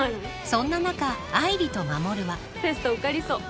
［そんな中愛梨と守は］テスト受かりそう。